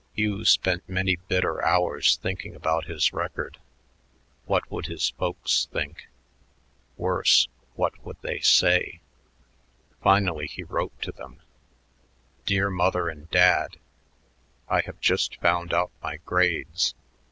Hugh spent many bitter hours thinking about his record. What would his folks think? Worse, what would they say? Finally he wrote to them: Dear Mother and Dad: I have just found out my grades.